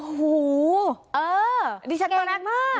โอ้โหดิฉันตัวแรกมาก